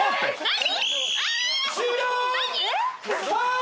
何？